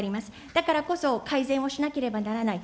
だからこそ改善をしなければならない。